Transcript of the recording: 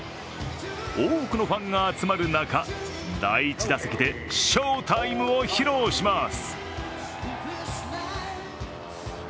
多くのファンが集まる中、第１打席で翔タイムを披露します。